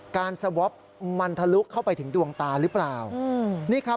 การสวอปมันทะลุกเข้าไปถึงดวงตาหรือเปล่า